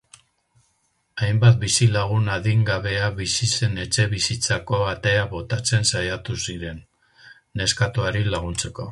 Hainbat bizilagun adingabea bizi zen etxebizitzako atea botatzen saiatu ziren, neskatoari laguntzeko.